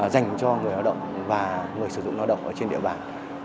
dành cho người lao động và người sử dụng lao động ở trên địa bàn